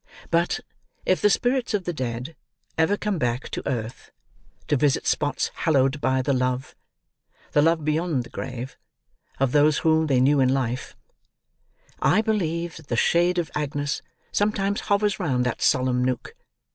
But, if the spirits of the Dead ever come back to earth, to visit spots hallowed by the love—the love beyond the grave—of those whom they knew in life, I believe that the shade of Agnes sometimes hovers round that solemn nook.